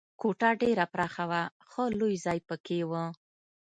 کوټه ډېره پراخه وه، ښه لوی ځای پکې و.